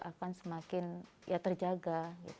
akan semakin terjaga